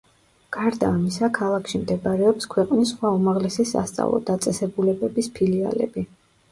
გარდა ამისა, ქალაქში მდებარეობს ქვეყნის სხვა უმაღლესი სასწავლო დაწესებულებების ფილიალები.